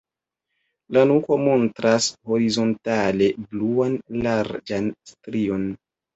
La nuko montras horizontale bluan larĝan strion.